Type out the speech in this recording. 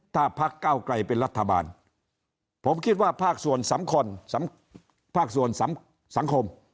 ถ้าภาคเก้าไกรเป็นรัฐบาลผมคิดว่าภาคส่วนสังคม